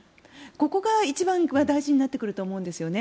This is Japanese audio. ここが一番大事になってくると思うんですよね。